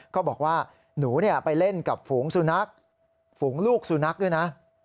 ก็บอกว่าหนูไปเล่นกับฝูงสุนัขฝูงลูกสุนัขด้วยนะ